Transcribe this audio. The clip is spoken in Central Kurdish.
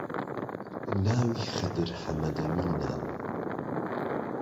ناوی خدر حەمەدەمینە